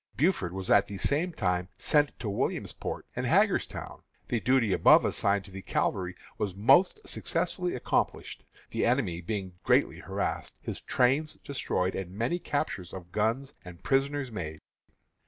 Buford was at the same time sent to Williamsport and Hagerstown. The duty above assigned to the cavalry was most successfully accomplished, the enemy being greatly harassed, his trains destroyed, and many captures of guns and prisoners made."